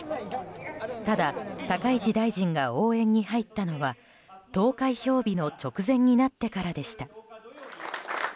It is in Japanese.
ただ、高市大臣が応援に入ったのは投開票日の直前になってからでした。